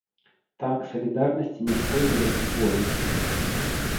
Так, салідарнасці не шкодзіла б і болей.